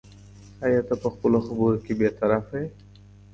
ایا ته په خپلو خبرو کې بې طرفه یې؟